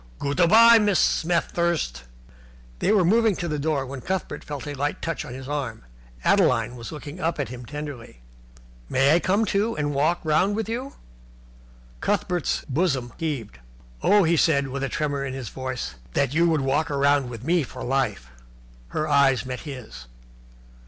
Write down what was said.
Goot a bye, Mrs. Smet thirst." They were moving to the door, when Cuthbert felt a light touch on his arm. Adeline was looking up at him tenderly. "May I come, too, and walk round with you?" Cuthbert's bosom heaved. "Oh," he said, with a tremor in his voice, "that you would walk round with me for life!" Her eyes met his.